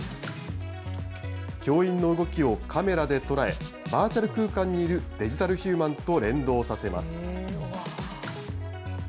教員の動きをカメラで捉え、バーチャル空間にいるデジタルヒューマンと連動させます。